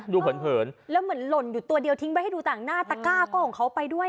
เผินแล้วเหมือนหล่นอยู่ตัวเดียวทิ้งไว้ให้ดูต่างหน้าตะก้าก็ของเขาไปด้วย